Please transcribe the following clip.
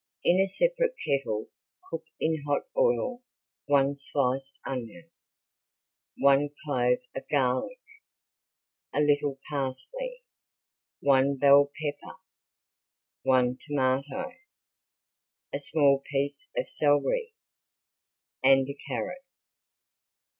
In a separate kettle cook in hot oil one sliced onion, one clove of garlic, a little parsley, one bell pepper, one tomato, a small piece of celery, and a carrot.